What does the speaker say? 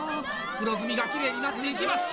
黒ずみがキレイになって行きます。